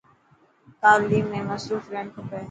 تعليم ۾ مصروف رهڻ کپي.